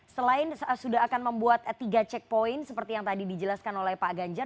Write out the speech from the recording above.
selain sudah akan membuat tiga checkpoint seperti yang tadi dijelaskan oleh pak ganjar